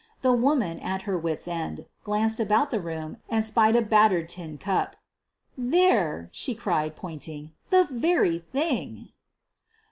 The woman, at her wits' ends, glanced about the room and spied a battered tin cup. "There," she cried, pointing, "the very thing."